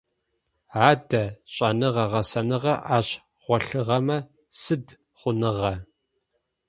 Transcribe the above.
Адэ, шӏэныгъэ-гъэсэныгъэр ащ голъыгъэмэ сыд хъуныгъа?